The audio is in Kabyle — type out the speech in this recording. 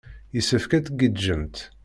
Yessefk ad tgiǧǧemt.